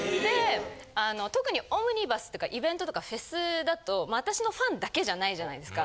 あの特にオムニバスとかイベントとかフェスだと私のファンだけじゃないじゃないですか。